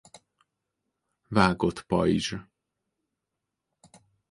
Vágott pajzs.